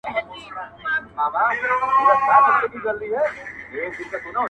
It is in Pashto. خود به د حالاتو سره جنګ کيیار ګټي میدان,